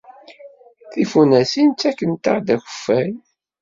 Tifunasin ttakfent-aɣ-d akeffay.